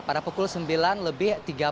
pada pukul sembilan lebih tiga puluh